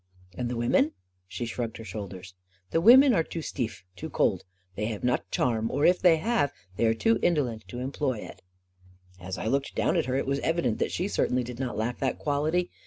"And the women?" She shrugged her shoulders. 11 The women are too steef — too cold. They have not charm — or, if they have, they are too in dolent to employ it." As I looked down at her, it was evident that she certainly did not lack that quality.